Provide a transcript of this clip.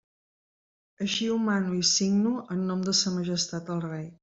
Així ho mano i signo en nom de Sa Majestat el Rei.